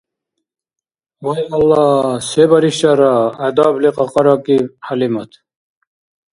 «Вай Аллагь, се баришара!», гӀядабли кьакьаракӀиб ХӀялимат.